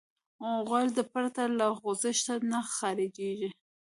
غول پرته له خوځښته نه خارجېږي.